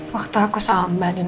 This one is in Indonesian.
waktu aku sama mbak dewi